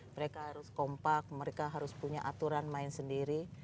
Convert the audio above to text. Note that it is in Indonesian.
mereka harus kompak mereka harus punya aturan main sendiri